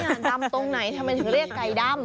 ดำตรงไหนทำไมถึงเรียกไก่ดำ